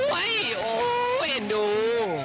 เห้ยโอ้โฮเห็นดู